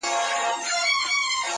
• په دې ډند کي هره ورځ دغه کیسه وه -